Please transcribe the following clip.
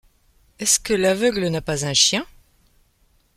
Est-ce que l’aveugle n’a pas un chien ?